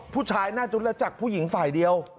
ผู้ชายน่าจะรู้จักผู้หญิงฝ่ายเดียว